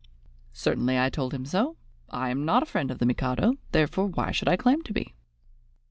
"Certainly I told him so. I am not a friend of the Mikado; therefore why should I claim to be?"